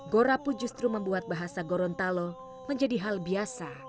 gorapu justru membuat bahasa gorontalo menjadi hal biasa